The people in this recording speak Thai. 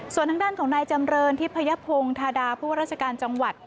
ส่วนทางด้านของนายจำเรินทิพยพงศ์ธาดาผู้ว่าราชการจังหวัด